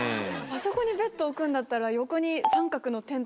あそこにベッド置くんだったら横に。